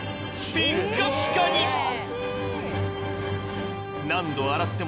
ピッカピカにー！